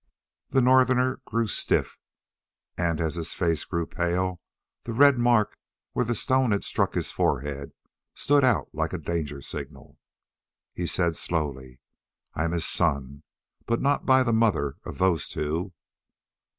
The Northerner grew stiff and as his face grew pale the red mark where the stone had struck his forehead stood out like a danger signal. He said slowly: "I'm his son, but not by the mother of those two."